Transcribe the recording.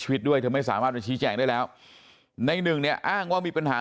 ชีวิตด้วยเธอไม่สามารถมาชี้แจงได้แล้วในหนึ่งเนี่ยอ้างว่ามีปัญหา